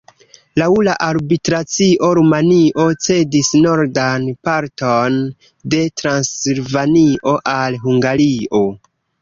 Laŭ la arbitracio Rumanio cedis nordan parton de Transilvanio al Hungario.